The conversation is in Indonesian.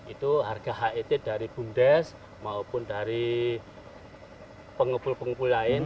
itu harga het dari bumdes maupun dari pengumpul pengumpul lain